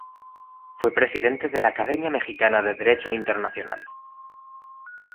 Fue presidente de la Academia Mexicana de Derecho Internacional.